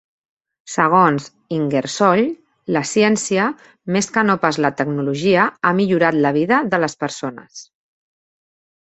Segons Ingersoll, la ciència més que no pas la tecnologia ha millorat la vida de les persones.